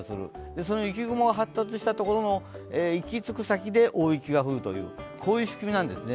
その雪雲が発達したところの行き着く先で大雪が降るという、こういう仕組みなんですね。